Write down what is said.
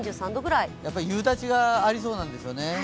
夕立がありそうなんですね。